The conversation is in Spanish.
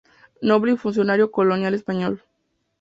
Noble y funcionario colonial español.